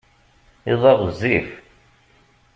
Iḍ-a ɣezzif.